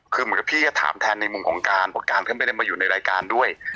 คือเหมือนกับพี่ก็ถามแทนในมุมของการเพราะการก็ไม่ได้มาอยู่ในรายการด้วย